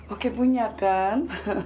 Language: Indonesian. oke punya kan